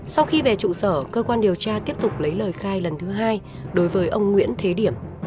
sau khi về trụ sở cơ quan điều tra tiếp tục lấy lời khai lần thứ hai đối với ông nguyễn thế điểm